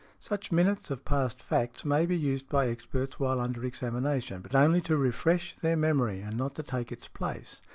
Such minutes of past facts may be used by experts while under examination, but only to refresh their memory, and not to take its place.